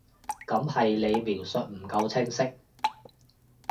噉係你描述唔夠清晰